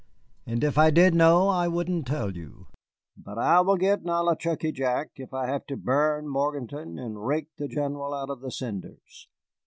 And if I did know, I wouldn't tell you. But I will get Nollichucky Jack if I have to burn Morganton and rake the General out of the cinders!"